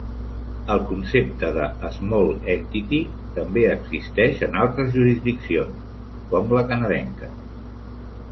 El concepte de "small entity" també existeix en altres jurisdiccions, com la canadenca.